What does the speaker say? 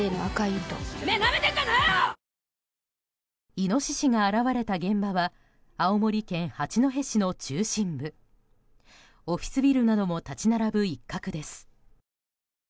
イノシシが現れた現場は青森県八戸市の中心部オフィスビルなども立ち並ぶ一角です。